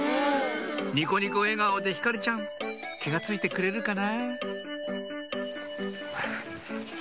ニコニコ笑顔でひかりちゃん気が付いてくれるかな？